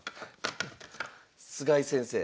菅井先生。